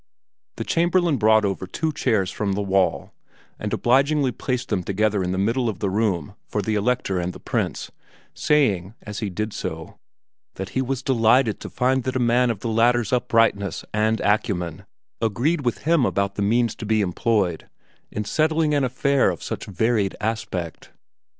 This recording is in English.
The Chamberlain brought over two chairs from the wall and obligingly placed them together in the middle of the room for the Elector and the Prince, saying, as he did so, that he was delighted to find that a man of the latter's uprightness and acumen agreed with him about the means to be employed in settling an affair of such varied aspect.